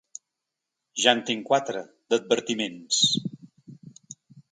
Ja en tinc quatre, d’advertiments.